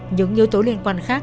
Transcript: những yếu tố liên quan khác